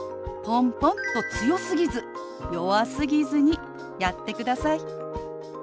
ポンポンと強すぎず弱すぎずにやってください。